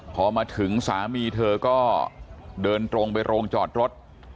พอมาถึงสามีเธอก็เดินตรงไปโรงจอดรถ